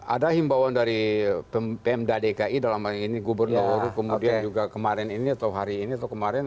ada himbauan dari pmd dki dalam hal ini gubernur kemudian juga kemarin ini atau hari ini atau kemarin